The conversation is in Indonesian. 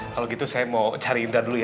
kalau gitu saya mau cari indra dulu ya